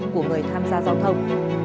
của người tham gia giao thông